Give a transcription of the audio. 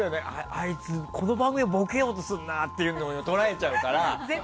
あいつこの場面ボケようとするなって捉えちゃうから。